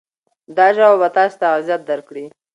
دا ژبه به تاسې ته عزت درکړي.